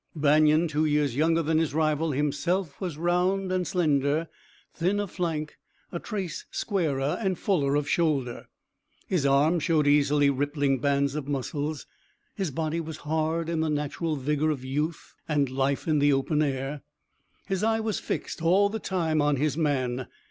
Banion, two years younger than his rival, himself was round and slender, thin of flank, a trace squarer and fuller of shoulder. His arms showed easily rippling bands of muscles, his body was hard in the natural vigor of youth and life in the open air. His eye was fixed all the time on his man.